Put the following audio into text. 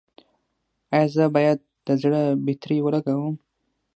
ایا زه باید د زړه بطرۍ ولګوم؟